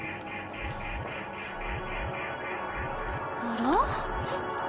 あら？